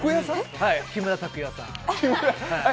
木村拓哉さん。